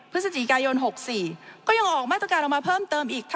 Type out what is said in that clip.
พฤศจิกายน๖๔ก็ยังออกมาตรการออกมาเพิ่มเติมอีก